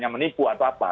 menipu atau apa